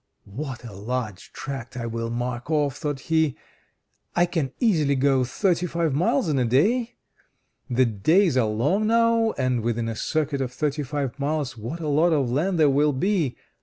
"What a large tract I will mark off!" thought he. "I can easily go thirty five miles in a day. The days are long now, and within a circuit of thirty five miles what a lot of land there will be!